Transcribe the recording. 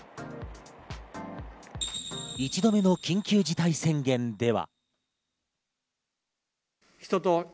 １度目の緊急事態宣言では。